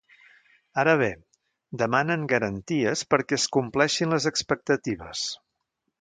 Ara bé, demanen garanties perquè es compleixin les expectatives.